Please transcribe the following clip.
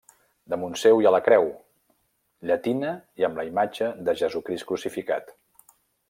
Damunt seu hi ha la creu, llatina i amb la imatge de Jesucrist crucificat.